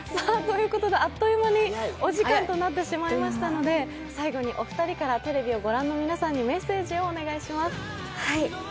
あっという間にお時間となってしまいましたので最後にお二人からテレビをご覧の皆さんにメッセージをお願いします。